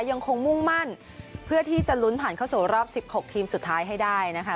ยังคงมุ่งมั่นเพื่อที่จะลุ้นผ่านเข้าสู่รอบ๑๖ทีมสุดท้ายให้ได้นะคะ